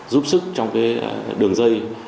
giúp sức trong cái đường dây